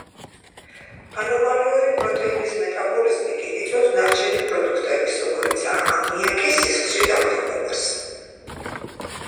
ანომალიური პროტეინის მეტაბოლიზმი კი იწვევს ნარჩენი პროდუქტების, როგორიცაა ამიაკი, სისხლში დაგროვებას.